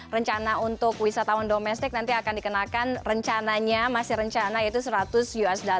rencana untuk wisatawan domestik nanti akan dikenakan rencananya masih rencana yaitu seratus usd